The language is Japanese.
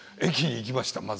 駅に行きました